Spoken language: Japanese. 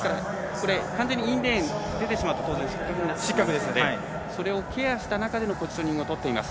完全にインレーンを出ると失格になりますのでそれをケアした中でのポジショニングをとっています。